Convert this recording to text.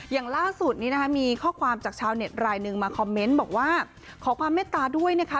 อย่างล่าสุดนี้นะคะมีข้อความจากชาวเน็ตรายหนึ่งมาคอมเมนต์บอกว่าขอความเมตตาด้วยนะคะ